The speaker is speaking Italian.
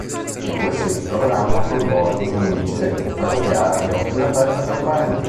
I due si ritroveranno coinvolti in un incidente ferroviario in aperta campagna.